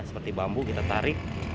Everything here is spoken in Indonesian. seperti bambu kita tarik